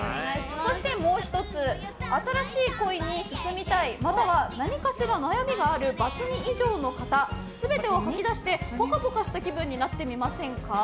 そしてもう１つ新しい恋に進みたいまたは何かしら悩みがあるバツ２以上の方全てを吐き出してぽかぽかした気分になってみませんか？